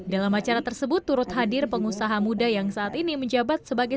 dalam acara tersebut turut hadir pengusaha muda yang saat ini menjabat sebagai